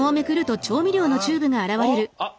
あっ！